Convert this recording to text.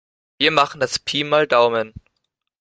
Wir machen das Pi mal Daumen.